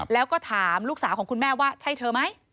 แล้วก็ถามลูกสาวของคุณแม่ว่าใช่เธอไหม